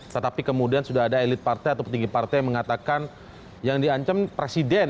tetapi kemudian sudah ada elit partai atau petinggi partai yang mengatakan yang diancam presiden